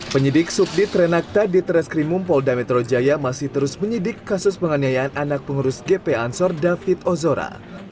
penyidik subdit renakta di treskrimum polda metro jaya masih terus menyidik kasus penganiayaan anak pengurus gp ansor david ozora